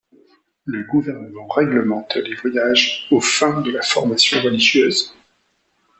Le gouvernement réglemente les voyages aux fins de la formation religieuse.